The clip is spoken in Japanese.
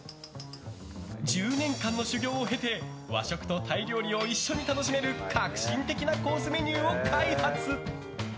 １０年間の修業を経て和食とタイ料理を一緒に楽しめる革新的なコースメニューを開発。